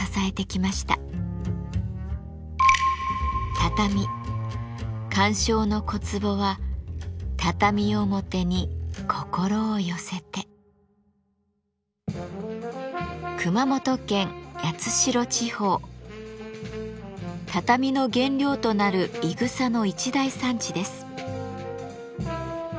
畳鑑賞の小壺は畳の原料となるいぐさの一大産地です。